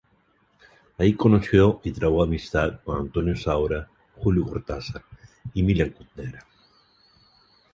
Ahí conoció y trabó amistad con Antonio Saura, Julio Cortázar y Milan Kundera.